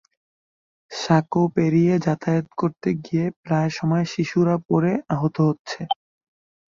সাঁকো পেরিয়ে যাতায়াত করতে গিয়ে প্রায় সময় শিশুরা পড়ে আহত হচ্ছে।